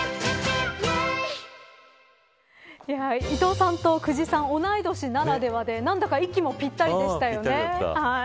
伊藤さんと久慈さんが同い年ならではで何だか息もぴったりでしたね。